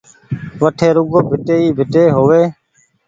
وٺي رڳو ڀيٽي ئي ڀيٽي هووي